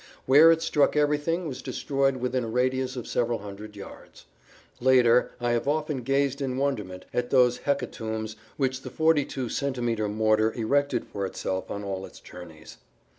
Where it struck everything was destroyed within a radius of several hundred yards. Later I have often gazed in wonderment at those hecatombs which the 42 centimeter mortar erected for itself on all its journeys.